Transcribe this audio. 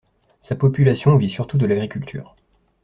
Sa population vit surtout de l'agriculture.